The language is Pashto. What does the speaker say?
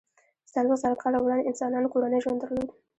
څلویښت زره کاله وړاندې انسانانو کورنی ژوند درلود.